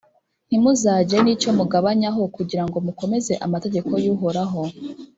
ntimuzagire n’icyo mugabanyaho, kugira ngo mukomeze amategeko y’uhoraho